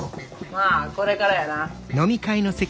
まあこれからやな。